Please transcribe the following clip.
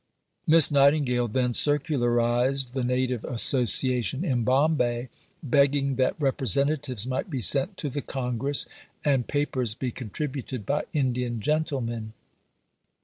Miss Nightingale then circularized the Native Association in Bombay, begging that representatives might be sent to the Congress, and papers be contributed by Indian gentlemen.